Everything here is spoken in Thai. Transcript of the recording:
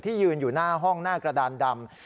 ยืนอยู่หน้าห้องหน้ากระดานดำ